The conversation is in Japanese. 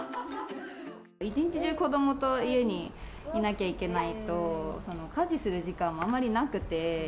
一日中、子供と家にいなきゃいけないと家事する時間もあまりなくて。